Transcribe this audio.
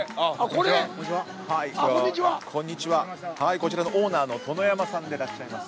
こちらのオーナーの殿山さんでらっしゃいます。